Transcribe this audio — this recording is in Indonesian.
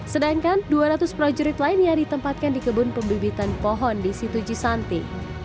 sedangkan dua ratus prajurit lain yang ditempatkan di kebun pembebitan pohon di situ cisanti